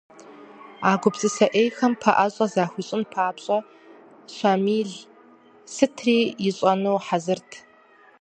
А гупсысэ Ӏейхэм пэӏэщӏэ захуищӏын папщӏэ Щамил сытри ищӏэну хьэзырт.